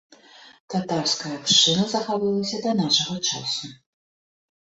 Татарская абшчына захавалася да нашага часу.